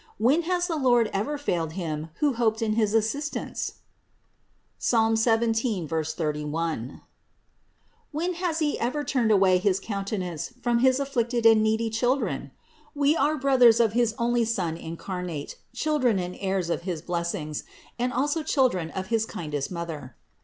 When has the Lord ever failed him who hoped in his assistance ? 544 CITY OF GOD (Ps. 17, 31). When has He ever turned away his coun tenance from his afflicted and needy children? We are brothers of his only Son incarnate, children and heirs of his blessings, and also children of his kindest Mother.